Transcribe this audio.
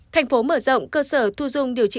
thành phố mở rộng cơ sở thu dung điều trị